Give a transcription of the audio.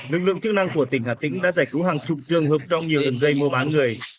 lực lượng chức năng của tỉnh hà tĩnh đã giải cứu hàng chục trường hợp trong nhiều đường dây mua bán người